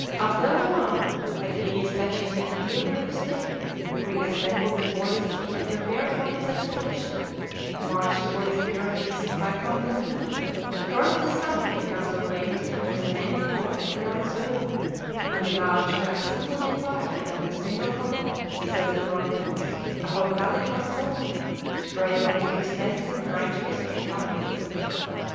(Fauriel, Historie de la Gaulle, &c., t. III., p. 115.) Abdel Rhaman, at ease touching the interior of Spain, reassembled the forces he had prepared for his expedition, marched towards the Pyrenees by Pampeluna, crossed the summit become so famous under the name of Port de Roncevaux, and debouched by a single defile and in a single column, say the chroniclers, upon Gallic Vasconia, greater in extent than French Biscay now is.